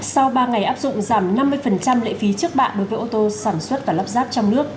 sau ba ngày áp dụng giảm năm mươi lệ phí trước bạ đối với ô tô sản xuất và lắp ráp trong nước